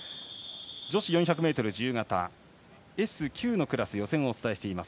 女子４００ｍ自由形Ｓ９のクラス予選をお伝えしています。